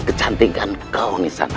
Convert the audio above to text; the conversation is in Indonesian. kecantikan kau di sana